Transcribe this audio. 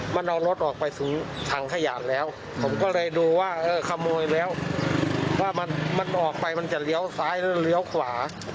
มันเอารถออกไปถึงถังขยะแล้วผมก็เลยดูว่าเออขโมยแล้วว่ามันออกไปมันจะเลี้ยวซ้ายแล้วเลี้ยวขวา